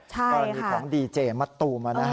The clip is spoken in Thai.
กรณีของดีเจมะตูม